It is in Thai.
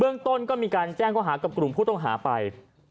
เรื่องต้นก็มีการแจ้งข้อหากับกลุ่มผู้ต้องหาไป